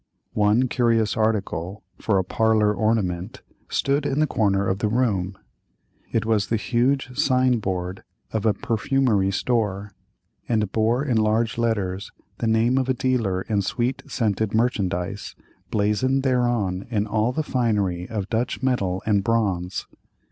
One curious article, for a parlor ornament, stood in the corner of the room; it was the huge sign board of a perfumery store, and bore in large letters the name of a dealer in sweet scented merchandise, blazoned thereon in all the finery of Dutch metal and bronze.